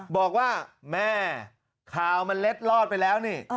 บอกว่าแม่ข่าวมันเล็ดลอดไปแล้วนี่